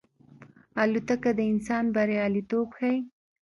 الوتکه د انسان بریالیتوب ښيي.